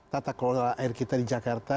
tata kelola air kita di jakarta